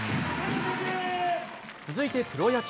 続いてプロ野球。